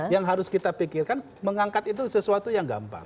yang harus kita pikirkan mengangkat itu sesuatu yang gampang